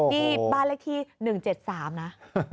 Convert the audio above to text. นี่บ้านเลขที่๑๗๓นะ